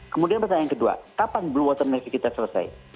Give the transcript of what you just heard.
kemudian pertanyaan kedua kapan blue water navy kita selesai